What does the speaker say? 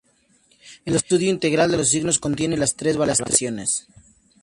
El estudio integral de los signos contiene las tres valoraciones.